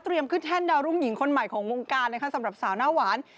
ขึ้นแท่นดาวรุ่งหญิงคนใหม่ของวงการนะคะสำหรับสาวหน้าหวาน